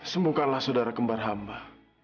sembuhkanlah saudara kembar hamba